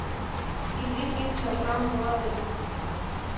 Изик ик чаркам пуа ыле гын